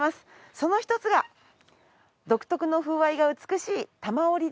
その一つが独特の風合いが美しい多摩織です。